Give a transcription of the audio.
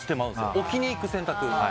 置きにいく選択。